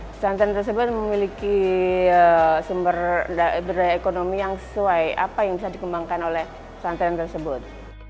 pesantren tersebut memiliki sumber daya ekonomi yang sesuai apa yang bisa dikembangkan oleh pesantren tersebut